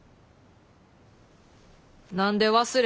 何で忘れた？